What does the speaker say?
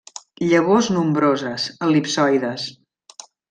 Llavors nombroses, el·lipsoides.